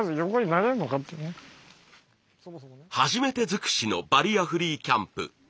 初めて尽くしのバリアフリーキャンプ。